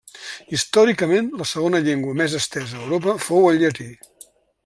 Històricament, la segona llengua més estesa a Europa fou el llatí.